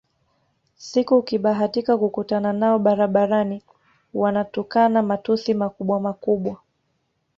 Siku ukibahatika kukutana nao barabarani wanatukana matusi makubwamakubwa